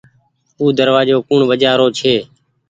او دروآزو ڪوڻ وجهآ رو ڇي۔